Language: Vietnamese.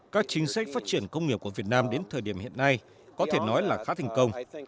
các chính sách phát triển công nghiệp của việt nam đến thời điểm hiện nay có thể nói là khá thành công